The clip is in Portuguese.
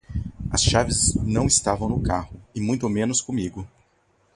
As chaves não estavam no carro e muito menos comigo.